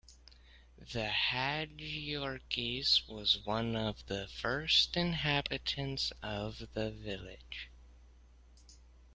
The Hadjiyiorkis was one of the first inhabitants of the village.